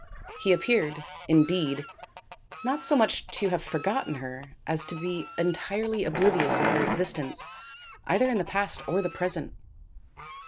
He appeared, indeed, not so much to have forgotten her as to be entirely oblivious of her existence either in the past or the present.